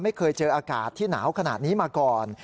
ไม่เคยเจออากาศที่หนาวขนาดนี้มาก่อน